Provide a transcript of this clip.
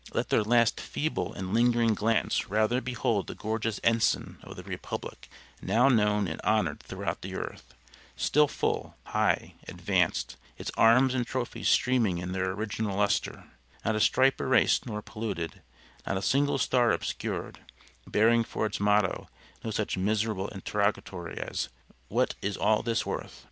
"Let their last feeble and lingering glance rather behold the gorgeous ensign of the Republic now known and honored throughout the earth; still full, high, advanced, its arms and trophies streaming in their original lustre, not a stripe erased nor polluted, not a single star obscured, bearing for its motto no such miserable interrogatory as 'What is all this worth?'